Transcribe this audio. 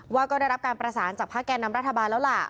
ว่าก็ได้รับการประสานจากภาคแก่นำรัฐบาลแล้วล่ะ